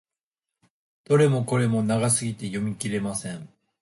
どれもこれも長すぎて読み切れません。